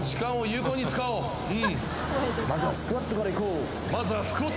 「まずはスクワットからいこう」